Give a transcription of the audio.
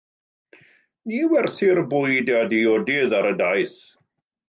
Ni werthir bwyd a diodydd ar y daith.